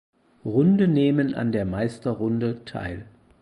Runde nehmen an der Meisterrunde teil.